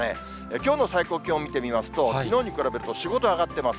きょうの最高気温見てみますと、きのうに比べると４、５度上がってます。